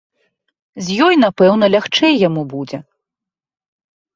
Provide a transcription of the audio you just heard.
З ёй напэўна лягчэй яму будзе.